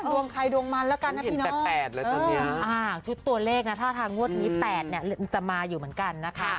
ดวงไข่ดวงมันแล้วกันนะพี่น้องจุดตัวเลขถ้าทางวดนี้๘จะมาอยู่เหมือนกันนะคะ